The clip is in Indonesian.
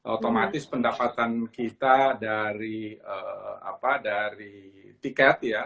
otomatis pendapatan kita dari tiket ya